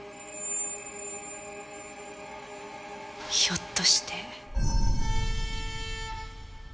ひょっとして。